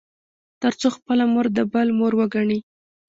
تـر څـو خـپله مـور د بل مور وګـني.